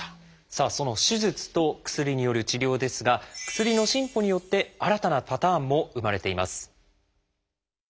さあその手術と薬による治療ですが薬の進歩によって新たなパターンも生まれています。